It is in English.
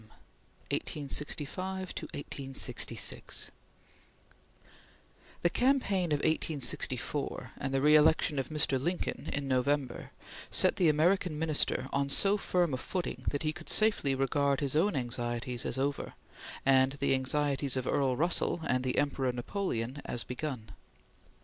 CHAPTER XIV DILETTANTISM (1865 1866) THE campaign of 1864 and the reelection of Mr. Lincoln in November set the American Minister on so firm a footing that he could safely regard his own anxieties as over, and the anxieties of Earl Russell and the Emperor Napoleon as begun.